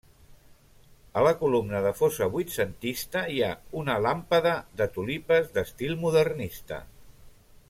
A la columna de fosa vuitcentista hi ha una làmpada de tulipes d'estil modernista.